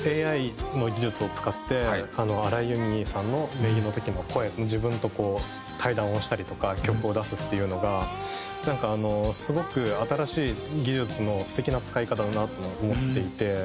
ＡＩの技術を使って荒井由実さんの名義の時の声の自分と対談をしたりとか曲を出すっていうのがなんかすごく新しい技術の素敵な使い方だなと思っていて。